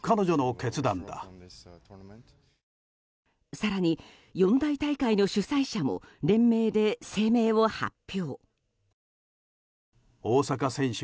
更に、四大大会の主催者も連名で声明を発表。